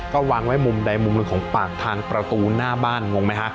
ก็วางไว้มุมใดมุมหนึ่งของปากทางประตูหน้าบ้านงงไหมฮะ